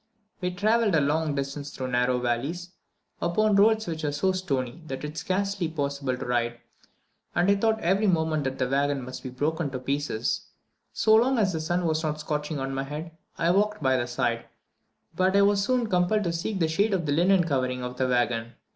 We travelled a long distance through narrow valleys, upon roads which were so stony that it was scarcely possible to ride, and I thought every moment that the waggon must be broken to pieces. So long as the sun was not scorching on my head, I walked by the side, but I was soon compelled to seek the shade of the linen covering of the wagon.